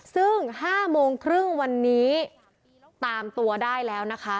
ซึ่ง๕โมงครึ่งวันนี้ตามตัวได้แล้วนะคะ